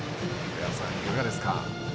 上原さん、いかがですか。